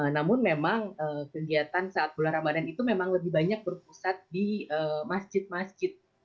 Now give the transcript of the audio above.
namun memang kegiatan saat bulan ramadan itu memang lebih banyak berpusat di masjid masjid